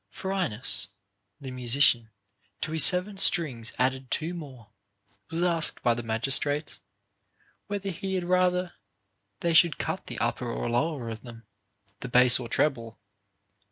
Phrynis the musician, to his seven strings adding two more, was asked by the magistrates, whether he had rather they should cut the upper or lower of them, the base or treble.